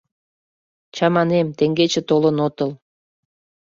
Чаманем, теҥгече толын отыл.